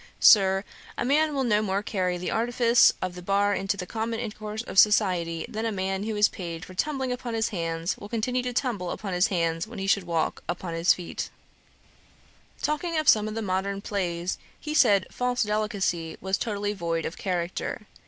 Sir, a man will no more carry the artifice of the bar into the common intercourse of society, than a man who is paid for tumbling upon his hands will continue to tumble upon his hands when he should walk on his feet.' Talking of some of the modern plays, he said False Delicacy was totally void of character.